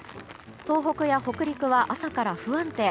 東北や北陸は朝から不安定。